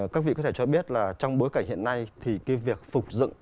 các vị có thể cho biết là trong bối cảnh hiện nay thì cái việc phục dựng